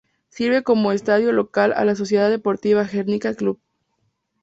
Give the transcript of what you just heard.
Sirve como estadio local a la Sociedad Deportiva Gernika Club.